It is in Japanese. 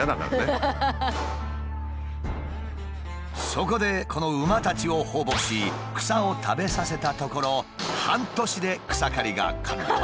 そこでこの馬たちを放牧し草を食べさせたところ半年で草刈りが完了。